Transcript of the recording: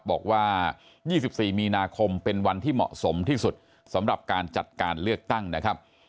บอกว่า๒๔มีนาคมเป็นวันที่เหมาะสมที่สุดสำหรับการจัดการเลือกตั้งนะครับ